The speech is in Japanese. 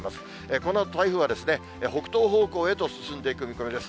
このあと台風は、北東方向へと進んでいく見込みです。